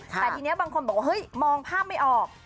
แต่ทีนี้บางคนบอกว่าเฮ้ยมองภาพไม่ออก